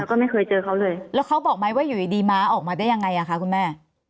แล้วก็ไม่เคยเจอเขาเลยแล้วเขาบอกไหมว่าอยู่ดีม้าออกมาได้ยังไงอ่ะคะคุณแม่